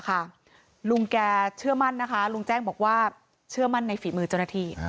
ลุงแกเชื่อมั่นนะคะลุงแจ้งบอกว่าเชื่อมั่นในฝีมือเจ้าหน้าที่